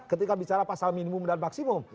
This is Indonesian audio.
ketika bicara pasal minimum dan maksimum